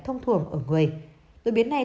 thông thường ở người đột biến này